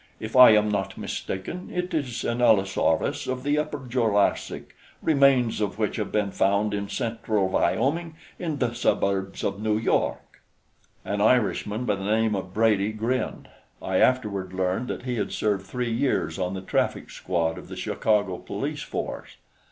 If I am not mistaken, it is an Allosaurus of the Upper Jurassic, remains of which have been found in Central Wyoming, in the suburbs of New York." An Irishman by the name of Brady grinned. I afterward learned that he had served three years on the traffic squad of the Chicago police force.